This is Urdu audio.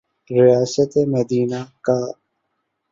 ریاست مدینہ کا۔